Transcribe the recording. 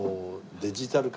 デジタル化